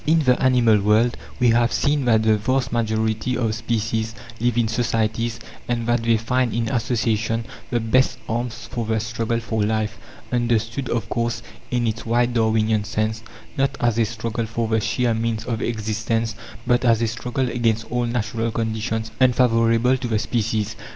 In the animal world we have seen that the vast majority of species live in societies, and that they find in association the best arms for the struggle for life: understood, of course, in its wide Darwinian sense not as a struggle for the sheer means of existence, but as a struggle against all natural conditions unfavourable to the species.